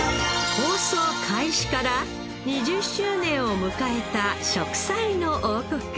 放送開始から２０周年を迎えた『食彩の王国』